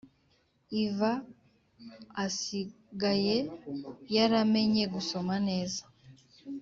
iva asigaye yaramenye gusoma neza